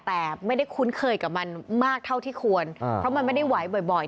แต่ไม่ได้คุ้นเคยกับมันมากเท่าที่ควรเพราะมันไม่ได้ไหวบ่อย